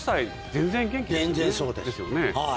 全然そうですはい。